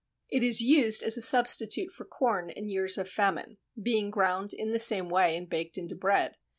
It "is used as a substitute for corn in years of famine being ground in the same way and baked into bread....